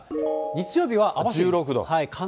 日曜日は網走１６度。